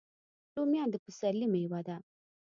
رومیان د پسرلي میوه ده